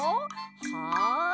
はい！